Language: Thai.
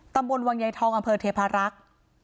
ตำรวจวังไยทองอำเภอเทพรักษ์